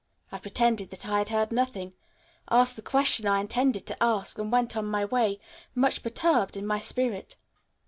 I pretended that I had heard nothing, asked the question I intended to ask, and went on my way, much perturbed in spirit.